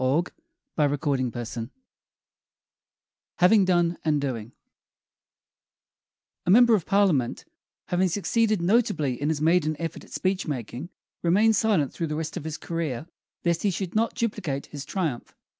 HAVING DONE AND DOING (ADAPTED FROM "TROILUS AND CRESSIDA") A member of Parliament, having succeeded notably in his maiden effort at speech making, remained silent through the rest of his career lest he should not duplicate his triumph.